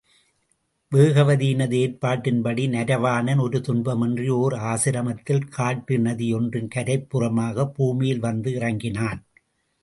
வேகவதியினது ஏற்பாட்டின்படி நரவாணன் ஒரு துன்பமுமின்றி ஓர் ஆசிரமத்தில், காட்டுநதி ஒன்றின் கரைப் புறமாகப் பூமியில் வந்து இறங்கினான்.